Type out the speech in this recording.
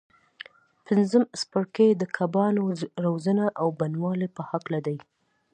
پنځم څپرکی د کبانو روزنه او بڼوالۍ په هکله دی.